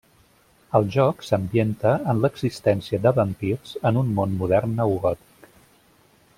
El joc s'ambienta en l'existència de vampirs en un món modern neogòtic.